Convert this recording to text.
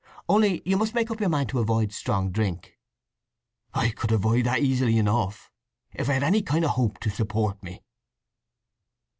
Only you must make up your mind to avoid strong drink." "I could avoid that easily enough, if I had any kind of hope to support me!"